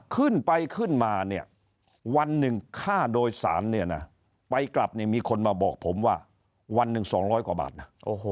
ขึ้นไปขึ้นมาเนี่ยวันหนึ่งค่าโดยสารเนี่ยนะไปกลับเนี่ยมีคนมาบอกผมว่าวันหนึ่ง๒๐๐กว่าบาทนะ